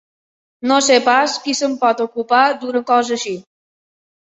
No sé pas qui se'n pot ocupar, d'una cosa així.